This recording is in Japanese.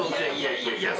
いやいや。